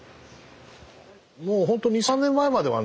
もう本当２３年前まではね